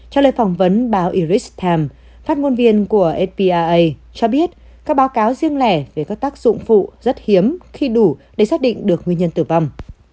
trả lời phỏng vấn báo iris times phát ngôn viên của fpaa cho biết các báo cáo riêng lẻ về các tác dụng phụ rất hiếm khi đủ để xác định được nguyên nhân tử vong